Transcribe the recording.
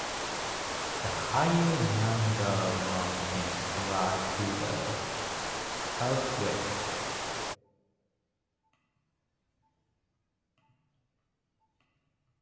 The higher Nyanga Mountains lie to the southwest.